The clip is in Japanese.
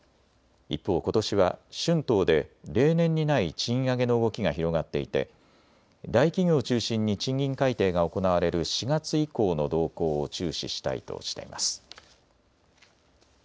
一方、ことしは春闘で例年にない賃上げの動きが広がっていて大企業を中心に賃金改定が行われる４月以降の動向を注視したいとしています。